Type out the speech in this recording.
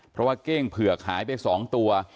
เพราะว่าเก้งเผือกหายไป๒ตัว